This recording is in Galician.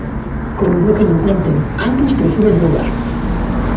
Comigo que non conten: antes prefiro roubar.